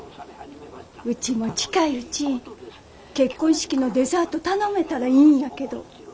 うちも近いうち結婚式のデザート頼めたらいいんやけど。